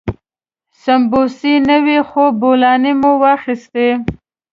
سمبوسې نه وې خو بولاني مو واخيستې.